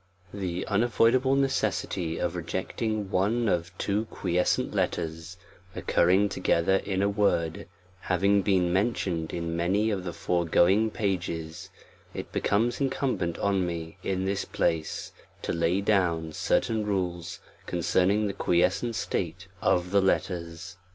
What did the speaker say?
THE unavoidable necessity of rejecting one of two quiescent letters, occurring together in a word, having been mentioned in many of the foregoing pages, rt becomes incumbent on me in this place, to lay down certain rules concerning the quiescent state of the letters.